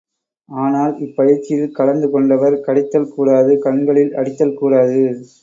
ஆனால் இப்பயிற்சியில் கலந்து கொண்டவர் கடித்தல் கூடாது கண்களில் அடித்தல் கூடாது.